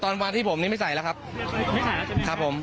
อ๋อตอนวันที่ผมนี้ไม่ใส่แล้วครับไม่ใส่แล้วใช่ไหมครับครับผม